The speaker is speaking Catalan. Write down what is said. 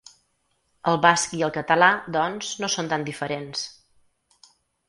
El basc i el català, doncs, no són tan diferents.